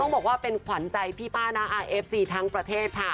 บอกว่าเป็นขวัญใจพี่ป้าน้าอาเอฟซีทั้งประเทศค่ะ